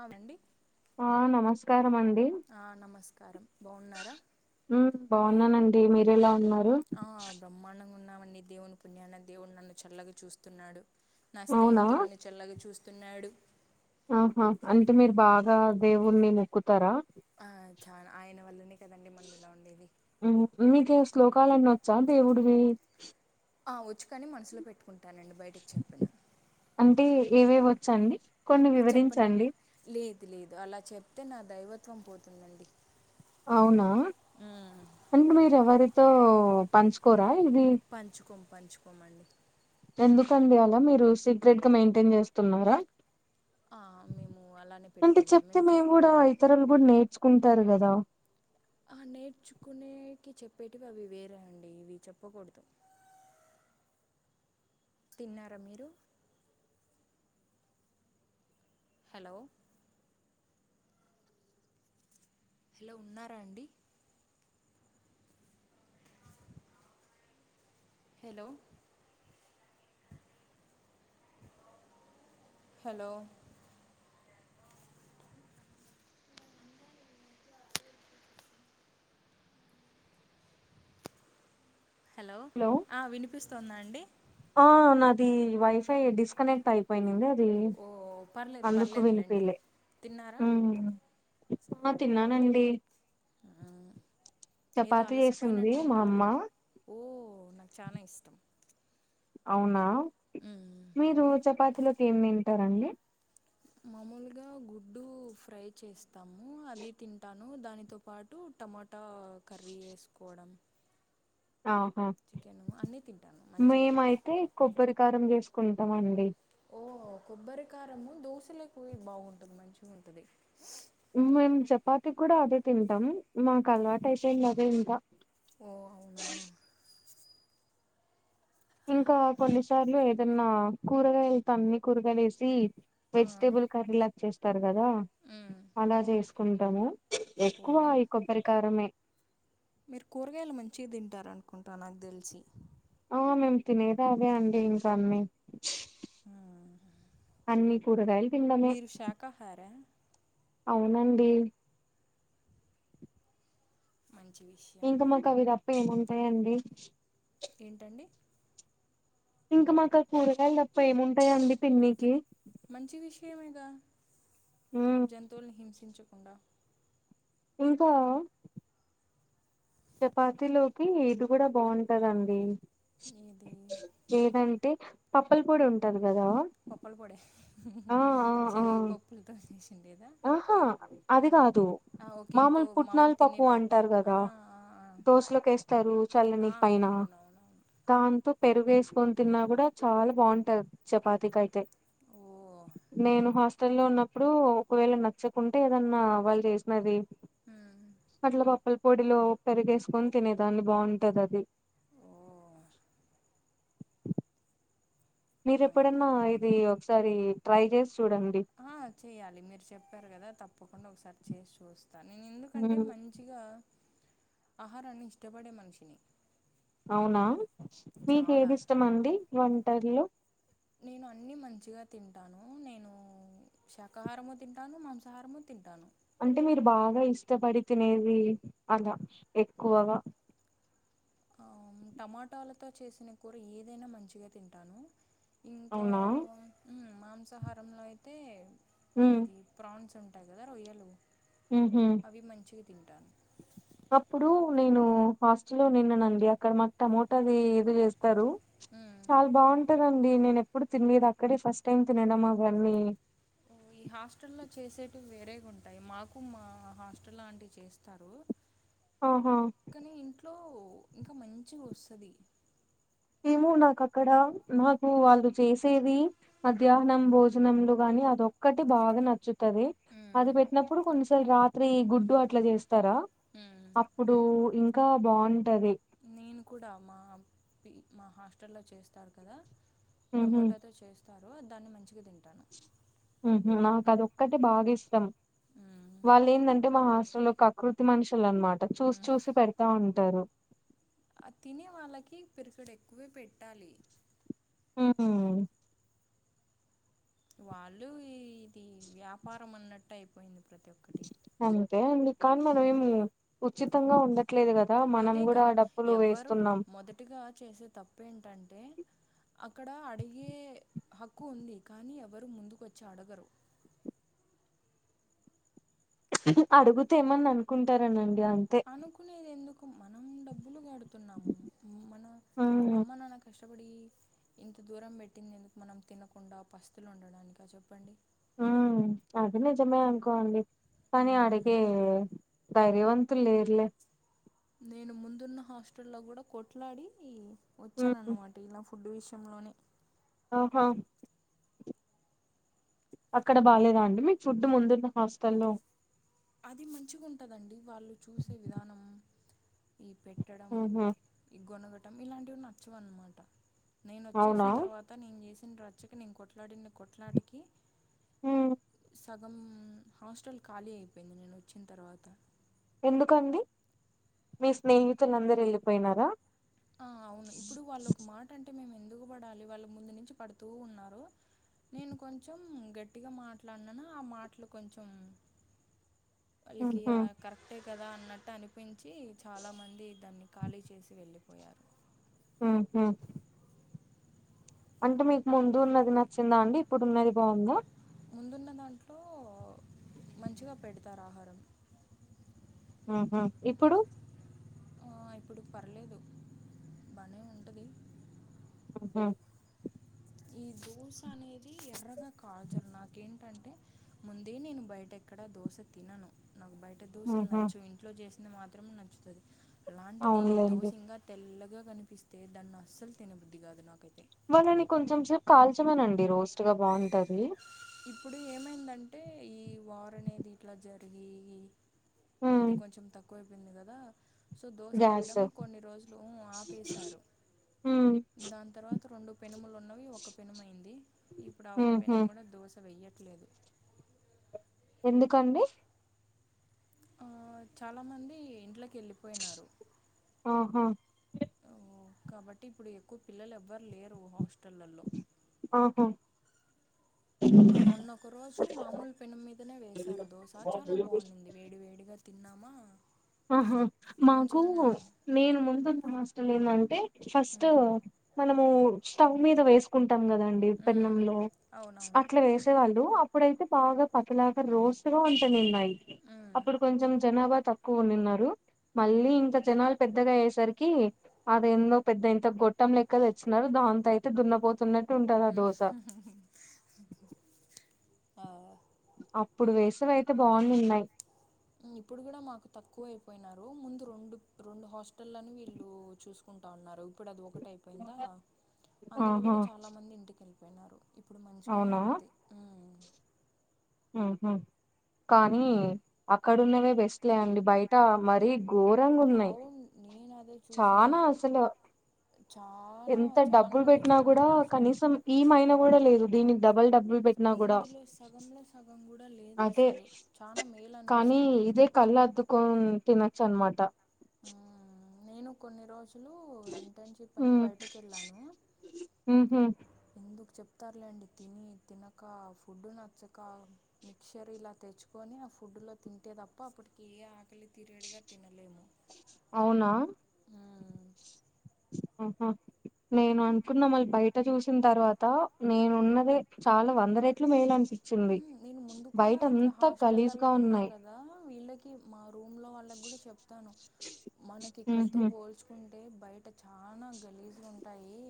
ఆమండి ఆ నమస్కారం అండి ఆ నమస్కారం బాగున్నారా ఉమ్మ్ బాగున్నానండి మీరెలా ఉన్నారు ఆ బ్రహ్మాండంగా ఉన్నామండి దేవుని పుణ్యాన దేవుడు నన్ను చల్లగా చూస్తున్నాడు నా అవునా స్నేహితులను చల్లగా చూస్తున్నాడు ఆహా అంటే మీరు బాగా దేవుని మొక్కుతారా ఆ చానా ఆయన వల్లనే కదండి మనం ఇలా ఉండేది ఉమ్ మీకు శ్లోకాలన్నీ వచ్చా దేవుడివి ఆ వచ్చు కాని మనసులో పెట్టుకుంటానండి బయటికి చెప్పను అంటే ఏవేవి వచ్చండి కొన్ని అ చెప్పనండి వివరించండి లేదు లేదు అలా చెప్తే నా దైవత్వం పోతుందండి అవునా మ్మ్. అంటే మీరు ఎవరితో పంచుకో పంచుకోం పంచుకోమండి ఎందుకండి అలా మీరు సీక్రెట్గా మెయింటేన్ చేస్తున్నారా ఆ, మేము అలానే అంటే పెట్టుకుంటాం చెప్తే మేము కూడా చెప్పకూడదు ఇతరులు కూడా నేర్చుకుం టారు కదా ఆ నేర్చుకునేకి చెప్పేటివి అవి వేరే అండి ఇవి చెప్పకూడదు [unintelligible] తిన్నారా మీరు హలో హలో ఉన్నారా అండి హలో హలో హలో ఆ వినిపిస్తుందా అండి ఆ నాది వైఫై డిస్కనెక్ట్ అయిపోయినింది ఓ పర్లేదు అందుకు పర్లేదులేండి వినిపిలే తిన్నారా ఆ తిన్నానండి ఆ ఏదో చపాతి చేసింది మా అమ్మ అలసిపోయినట్టున్నారు ఓ నాకి చానా ఇష్టం అవునా మ్మ్. మీరు చపాతిలోకి ఏం తింటారండి మామూలుగా గుడ్డు ఫ్రై చేస్తాము అది తింటాను దానితో పాటు టమటా కర్రీ ఏసుకోవడం ఆహా తింటాను మంచిగా మేమైతే కొబ్బరి కారం చేసుకుంటామండి ఓ కొబ్బరి కారము దోశలకు బాగుంటది మంచిగుంటది మేము చపాతి కూడా అదే తింటాం మాకు అలవాట అయిపోయింది అదే ఇంక ఓ అవునా ఇంకా కొన్నిసార్లు ఏదన్నా కూరగాయలు తమ్మి కూరగాయలు ఏసి ఆ వెజిటేబుల్ కర్రీలా చేస్తారు కదా ఉమ్ అలా చేసుకుంటాము ఓ ఎక్కువ ఈ కొబ్బరికారమే మీరు కూరగాయలు మంచిగా తింటారనుకుంటా నాకు తెలిసి ఆ మేము తినేదే అదే అండి ఇంక అన్నీ ఉమ్మ్ అన్ని కూరగాయల్ మీరు శాకాహారా అవునండి మంచి విషయం ఇంకా మాకు అవి తప్ప ఏముంటాయంండి ఏంటండి ఇంకా మాకు కూరగాయలు తప్ప ఏముంటాయం అండి తిననికి మంచి విషయమేగా ఉమ్ జంతువుల్ని హింసించకుండా ఇంకా చపాతి లోకి ఇది కూడా బాగుంటదండి ఏది ఏదంట్ అే పప్పుల పొడి ఉంటుంది పప్పులు పొడే ఆ ఆ శనగ పప్పులతో చేసిండేదా ఆహా ఆ, అది కాదు ఆ, ఓకే ఇంకో మామూలు పుట్నలు తినే పప్పు పప్పులు అంటారు ఆ కదా ఆ ఆ దోశలకేస్తారు చల్లని ఆ పైన అ అవునవునవునవును దానితో పెరుగు వేసుకొని తిన్నా కూడా చాలా బాగుంటది చపాతికి అయితే ఓ నేను హాస్టల్ లో ఉన్నప్పుడు ఒకవేళ నచ్చకుంటే ఏదన్నా వాళ్ళు చేసినది అట్లా పప్పుల్ పొడిలో పెరిగేసుకొని తినేదాన్ని బాగుంటది అది [inaudible] ఓ మీరు మంచి ఎప్పుడన్నా ఇది ఒకసారి ట్రై చేసి చూడండి ఆ చేయ్యాలి మీరు చెప్పారు కదా తప్పకుండా ఒకసారి చేసి చూస్త నేను ఎందుకంటే ఉమ్, మంచిగా ఆహారాన్ని ఇష్టపడే మనిషిని అవునా మీకు చాలా ఏదిష్టమండి వంటర్లు నేను అన్ని మంచిగా తింటాను నేను శాకాహారము తింటాను మాంసాహారము తింటాను అంటే మీరు బాగా ఇష్టపడి తినేది అలా ఎక్కువగా టమాటాలతో చేసిన కూర ఏదైనా మంచిగా తింటాను ఇంకా అవునా మాంసాహారంలో అయితే ఉమ్, ఇది ప్రాన్స్ ఉంటుంది టది కదా రొయ్యలు ఉహూ అవి మంచిగా తింటాను అప్పుడు నేను హాస్టల్ లో నిన్ననండి అక్కడ మాకు టమోటా అది ఇది చేస్త ారు మ్మ్. చాలా బాగుంటంది దీనిని నేను ఎప్పుడు తినలేదు అక్కడే ఫస్ట్ టైం తినడంమావాని ఓ, ఈ హాస్టల్ లో చేసేటివి వేరే ఉంటాయి మాకు మా హాస్టల్లాంటివి చేస్తారు ఆహా కానీ ఇంట్లో ఇంకా మంచి వస్తది మో నాకు అక్కడ నాకు వాళ్ళు చేసేది మధ్యాహ్నం భోజనలు గాని అది ఒక ఒకక్కటి బాగా నచ్చుతది అది మ్మ్. పెట్టినప్పుడు కొన్నిసార్లు రాత్రి గుడ్డు అట్లా చేస్త ారా మ్మ్. అప్పుడు ఇంకా బాగుం నేను కూడా మా మా హాస్టల్లో చేస్తారు కదా టమోటాతో చేస్తారు దాన్ని మంచిగా తింట ఉహూ నాకు అదిక్కటి బాగా ఇష్టం మ్మ్. వాళ్ళు ఏంటంటే మా హాస్టల్లో కకృతి మనుషుల అన్నమాట చూసి మ్మ్. చూసి పెడతా ఉంటారు ఆ తినే వాళ్ళకి పిరికెడు ఎక్కువే పెట్టాలి హ్మ్ వాళ్ళు ఇ ఇది వ్యాపారం అన్నట్టు అయిపోయింది ప్రతి ఒక్కటి అంతే అండి కానీ మనమే ఉచితంగా ఉండ అదే కదా ఎవ్వరు వేస్తున్నాం. మొదటిగా చేసే తప్పుేంటంటే అక్కడ అడిగే హక్కు ఉంది కానీ ఎవరు ముందుకుొచ్చి అడగరు [inaudible] అడుగుతే ఏమని అనుకుంటారనండి అంతే. అనుకునేది ఎందుకు మనం డబ్బులు గడు తున్నాం మన హ్మ్. అమ్మ నాన్న కష్ కష్టబడి ఇంత దూరం పెట్టింది ఎందుకు మనం తినకుండా పస్తులు ఉండడానిక చెప్పండి. ఉ అది నిజమే అనుకోండి కానీ మ్మ్. అడిగే ధైర్యవంతులు లేరిలే నేను ముందున్న హాస్టల్ లో కూడా కొట్లాడి వచ్చాన ఉమ్ అన్నమాట ఇలా ఫుడ్ విషయంలోనే ఆహా అక్కడ బాగలేదా అంటిమి ఫుడ్ ముందున్న హాస్టల్లో అది మంచిగా ఉంటుందండి వాళ్ళు చూసే విధానం ఈ పెట్టడం ఉహు ఈ గొనగటడం ఇలాంటివి నచ్చవున్నమాట. నేను అవునా వచ్చేసిన తర్వాత నేను చేసిన రచ్చకి నేను కొట్లాడిన కొట్లాటికి ఉ సగం హాస్టల్ ఖాళీ అయిపోయింది నేను వచ్చిన తర్వాత ఎందుకండి మీ స్నేహితులందరు వెళ్ళిపోయినారా? ఆ అవును ఇప్పుడు వాళ్ళొ ఒక మాట అంటే మేము ఎందుకు పడాలి, వాళ్ళ ముందు నుంచి పడుతూ ఉన్నారు. నేను కొంచెం గట్టిగా మాట్లాడినాను ఆ మాటలు కొంచెం [inaudible] వాళ్ళకి ఉహు కరెక్టే కదా అన్నట్టు అనిపిం వచ్చి చాలామంది దాన్ని ఖాళీ చేసి వెళ్ళిపోయారు. హ హ అంటే మీకు ముందు ఉన్నది నచ్చిందా అండి, ఇప్పుడు ఉన్నది బావుందా? ముందున్న దాంట్లో మంచిగా పెడతారు ఆహారం ఆహ ఇప్పుడు ఆ ఇప్పుడు పర్లేదు బానే ఉంటది అ ఈ దోశ అనేది ఎర్రగా కాల్చరు నాకు ఇకేంటంటే ముందే నేను బయట ఎక్కడ దోశ తినను నాకు బయట దోసలు ఉహు నచ్చవ్ ఇంట్లో చేసింది మాత్రం నచ్చుతది. అలాంటిది ఈ అవునులేండి దోశ ఇంగ తెల్లగా కనిపిస్తే దాన్ని అస్సలు తినబద్ది కాదు నాకైతే వాళ్ళని కొంచెం సేపు కాల్చమనండి రోస్ట్ గా బావుంటది. ఇప్పుడు ఏమైందంటే ఈ వారు అనేది ఇట్లా జరిగి ఉమ్ ఇది కొంచెం తక్కువైపోయింది కదా సో దోశ గ్యాస్ వేయడం కొన్ని రోజులు ఆపేశారు ఉమ్ దాని తర్వాత రెండు పెనుములు ఉన్నవి ఒక పెనుము అయింది ఇప్పుడు ఆ ఒక ఉహు పెనుము కూడా దోశ వెయట్లేదు ఎందుకండి ఆ చాలా మంది ఇంట్లోకి వెళ్ళిపోయినారు. ఆహా ఓ, కాబట్టి ఇప్పుడు ఎక్కువ పిల్లలు ఎవ్వరు లేరు హాస్టల్ ఆహో సో మొన్నొ ఒక రోజు మామూలు పెనుం మీదనే వేసారు. దోశ చాలా బాగుంది వేడి వేడిగా తిన్నామా ఆహా మాకు మంచిగానే నేను ముందున్న హస్టలేమని ఫస్ట్ ఉంది మనము స్టవ్ మీద వేసుకుం పెట్టం గదండి పెన్నంలో అవునవును అట్లా జేసేవాళ్ళు అ ఇప్పుడైతే బాగా పతలాగా రోస్ట్గా ఉంటుందిన్నాయి ఉమ్, అప్పుడు కొంచెం జనాభా తక్ కోన్నారు మళ్ళీ ఉమ్. ఇంత జనాలు పెద్దగా అయ్యే సరికి అదేందో పెద్ద ఇంత గొట్టం లెక్క తెచ్చిన దాంతో అయితే దున్నపోతున్న ఉమ్ హూ హూ హూ అప్పుడు వేసవి అయితే బాగునే ఉన్నాయి ఎక్కువ అయిపోయినారు ముందు రెండు రెండు హాస్టల్లను వీళ్ళు చూసుకుంటా ఉన్నారు ఇప్పుడు అది ఒకటి అయిపోయిందా అందులో ఆహా గూడా చాలా మంది ఇంటికి యెళ్ళిపోయినారు ఇప్పుడు మంచిగానే అవునా ఉంది ఉమ్ ఉమ్ హూ కానీ అక్కడున్నవే బెస్ట్ లే అండి బయట మరీ ఘోరంగా ఉన్నాయి అవును నేను అదే చానా చూసాను అసలు చానా ఎంత చానా డబ్బులు అంటే బెట్టినా చానా గూడా వేస్ట్ కనీసం ఈమైన గూడా లేదు దీని డబల్ డబ్బులు బెట్టినా గూడా ఇందులో సగంలో సగం గూడా లేదు అసలు చానా మేలు అనిపిస్తది వచ్చ్ అన్నమాట నేను కొన్ని రోజు లు ఇంటెన్షిప్ అని ఉమ్ బయటికెళ్ళాను ఉహు ఎందుకు చెప్ సర్లేండి తిని తినక ఆ ఫుడ్ నచ్చక మిక్చర్ ఇలా తెచ్చుకొని ఆ ఫుడ్ గుడ్డులో తింటే తప్ప అప్పటికి ఏ ఆకలి తీరేడుగా తినలేము అవునా మ్మ్. ఆహా నేను అనుకున్నా మళ్ళీ బయట చూసిన తర్వాత నేను ఉన్నదే చాలా వంద రేట్లు మేలనిపి చింది మ్మ్, నేను ముందు కూడా ఇట్లా హాస్టలల్లో ఉన్నా గదా వీళ్ళకి మా రూమ్ లో వాళ్ళకి గూడా చెప్తాను మనకి ఇక్కడితో ఉహు బోల్చుకుం టే బయట చానా గలీజుగుంటాయి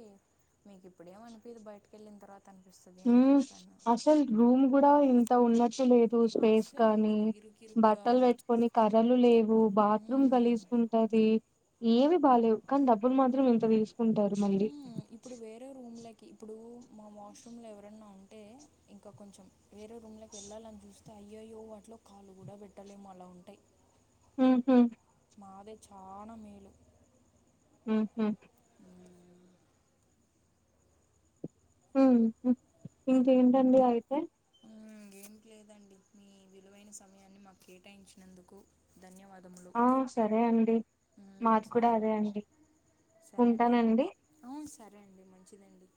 మీకు ఇప్పుడేం అనిపియదు బయటకెళ్ళిన తర్వాత అనిపిస్తుంది అని ఉమ్ చెప్పాను అసలు రూమ్ గూడా ఇంత ఉన్నట్ లేదు స్పేస్ అస్సలు కానీ ఉండదు ఇరుకిరుగ్గా బట్టలు పెట్టుకొని అర్రలు లేవు బాత్రూమ్ మ్మ్ గలీ ఉంటది ఏమి బాలేవు కానీ డబ్బులు మాత్రం ఇంత దీసుకుంటారు మళ్ళీ మ్మ్ ఇప్పుడు వేరే రూమ్లకి ఇప్పుడు మా వాష్రూమ్ లో ఎవరన్నా అంటే ఇంకా కొంచెం వేరే రూమ్లోకి వెళ్ళాలని జూస్తా అయ్యయ్యో వాటిలో కాళ్ళు గూడా పెట్టలేము అలా ఉంటాయి ఉమ్ హూ మాదే చాలా మేలు ఉమ్ హూ ఉమ్ హూ ఇంకేంటండి అయితే ఉమ్ ఏమి లేదండి మీ విలువైన సమయాన్ని మాకు కేటాయించినందుకు ధన్యవా ఆ సరే అండి మాది కూడా అదే అండి సరే అండి ఉంటానండి అవును సరే అండి మంచిదండి